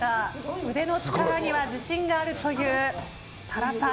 腕の力には自信があるというサラさん。